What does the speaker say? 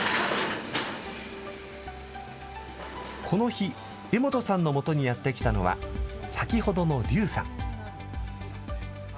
この日、江本さんのもとにやって来たのは、先ほどの柳さん。